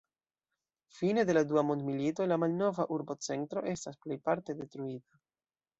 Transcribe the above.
Fine de la Dua Mondmilito la malnova urbocentro estas plejparte detruita.